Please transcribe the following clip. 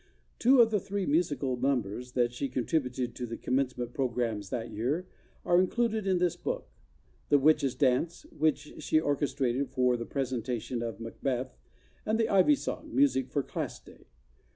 Two of the three musical numbers that she contributed to the Commencement programs of that year are included in this book: "The Witches' Dance," which she orchestrated for the presenta¬ tion of "Macbeth," and the "Ivy Song" music for Class Day.